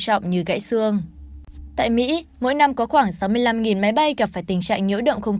trọng như gãy xương tại mỹ mỗi năm có khoảng sáu mươi năm máy bay gặp phải tình trạng nhỡ động không